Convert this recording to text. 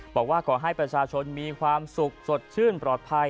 บอกว่าขอให้ประชาชนมีความสุขสดชื่นปลอดภัย